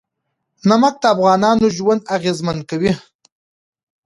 نمک د افغانانو ژوند اغېزمن کوي.